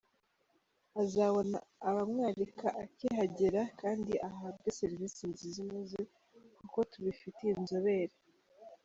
Azabona abamwakira akihagera kandi ahabwe serivisi nziza inoze kuko tubfitiye inzobere.